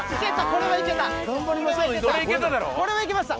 これはいけました。